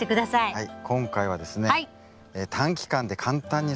はい。